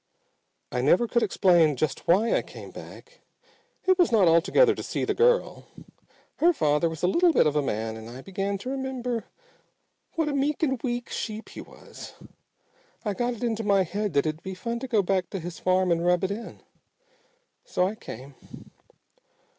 I never could explain just why I came back. It was not altogether to see the girl. Her father was a little bit of a man and I began to remember what a meek and weak sheep he was. I got it into my head that it'd be fun to go back to his farm and rub it in. So I came.